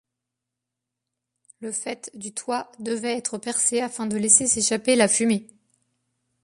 Le faîte du toit devait être percé afin de laisser s'échapper la fumée.